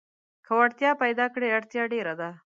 که وړتيا پيداکړې اړتيا ډېره ده.